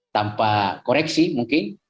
tanpa koreksi mungkin